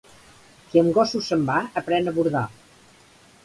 Qui amb gossos se'n va aprèn a bordar.